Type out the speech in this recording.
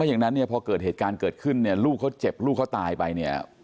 อย่างนั้นเนี่ยพอเกิดเหตุการณ์เกิดขึ้นเนี่ยลูกเขาเจ็บลูกเขาตายไปเนี่ย